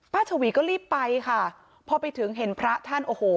ชวีก็รีบไปค่ะพอไปถึงเห็นพระท่านโอ้โห